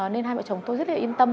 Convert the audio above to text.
nên hai vợ chồng tôi rất yên tâm